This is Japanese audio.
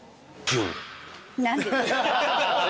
何で？